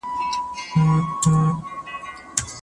تل هڅه وکړئ چي په خپل ژوند کي خوشاله اوسئ.